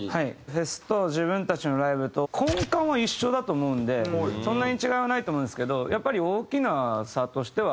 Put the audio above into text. フェスと自分たちのライブと根幹は一緒だと思うんでそんなに違いはないと思うんですけどやっぱり大きな差としては。